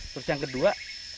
terus yang kedua